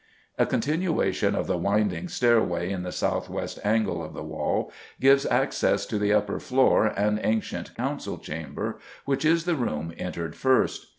A continuation of the winding stairway in the south west angle of the wall gives access to the upper floor and ancient Council Chamber, which is the room entered first.